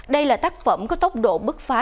đây là tác phẩm có tốc độ bức phá